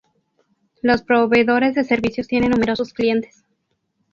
Los proveedores de servicios tienen numerosos clientes.